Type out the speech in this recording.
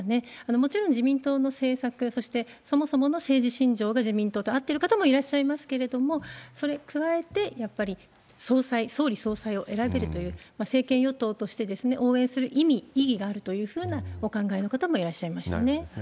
もちろん自民党の政策、そしてそもそもの政治信条が自民党と合ってる方もいらっしゃいますけれども、それに加えて、やっぱり総裁、総理総裁を選べるという、政権与党として応援する意味、意義があるというふうなお考えの方もいらっしゃいましたね。